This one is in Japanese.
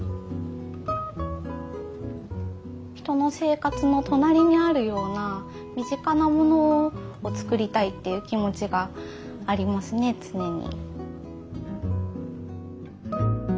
人の生活の隣にあるような身近なものを作りたいっていう気持ちがありますね常に。